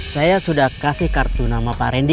saya sudah kasih kartu nama pak randy